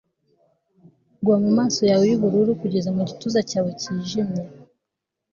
Gwa mumaso yawe yubururu kugeza mugituza cyawe cyijimye